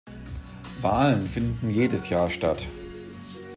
Wahlen finden jedes Jahr statt.